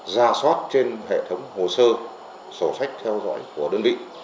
ra soát trên hệ thống hồ sơ sổ sách theo dõi của đơn vị